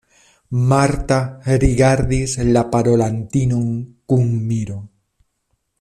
Marta rigardis la parolantinon kun miro.